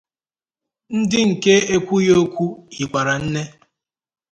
ndị nke e kwughị ekwu hikwara nne.